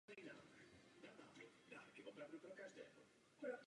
Obyvatelé se zaměřovali na pěstování ovoce a chov drůbeže.